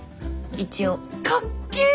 一応。かっけえ！